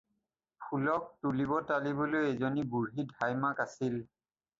ফুলক তুলিব-তালিবলৈ এজনী বুঢ়ী ধাই মাক আছিল।